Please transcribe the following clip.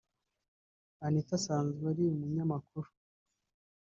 Anita asanzwe ari umunyamakuru